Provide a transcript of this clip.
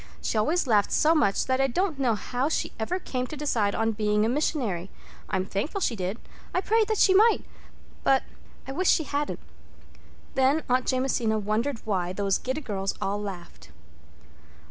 She always laughed so much that I don't know how she ever came to decide on being a missionary. I'm thankful she did—I prayed that she might—but—I wish she hadn't." Then Aunt Jamesina wondered why those giddy girls all laughed.